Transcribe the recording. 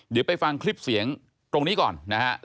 เดี๋ยวไปฟังคลิปเสียงตรงนี้ก่อนนะฮะ